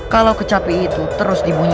kalau kecapi itu terus dibunyi